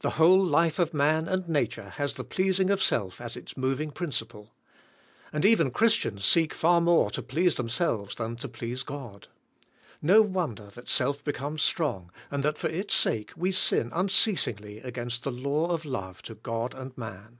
The whole life of man and nature has the pleasing of self as its moving principle. And even Christians seek far more to please themselves than to please God. No wonder that self becomes strong and that for its sake we sin unceasinglj against the law of love to God and man.